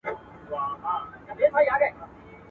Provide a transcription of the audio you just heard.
په ژړه غونې غږ یې راته وویل چې مه ځه.